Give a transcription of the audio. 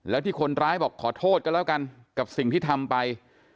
แล้วที่คนร้ายบอกขอโทษกันแล้วกันกับสิ่งที่ทำไป